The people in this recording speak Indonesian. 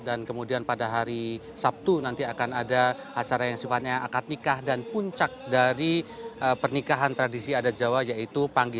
dan kemudian pada hari sabtu nanti akan ada acara yang sifatnya akad nikah dan puncak dari pernikahan tradisi adat jawa yaitu panggi